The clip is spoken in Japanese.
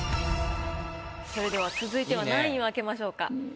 それでは続いては何位を開けましょうか？